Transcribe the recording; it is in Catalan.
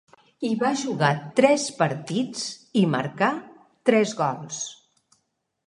Hi va jugar tres partits, i marcà tres gols.